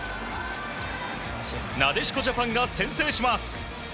なでしこジャパンが先制します。